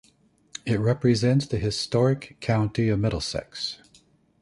It represents the historic county of Middlesex.